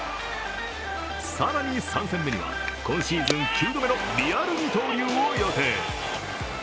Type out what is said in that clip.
更に３戦目には、今シーズン９度目のリアル二刀流を予定。